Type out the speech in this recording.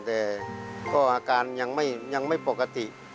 แต่ก็อาการยังไม่ปกติ